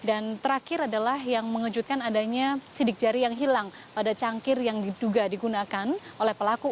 terakhir adalah yang mengejutkan adanya sidik jari yang hilang pada cangkir yang diduga digunakan oleh pelaku